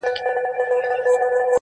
کورنۍ پرېکړه کوي د شرم له پاره,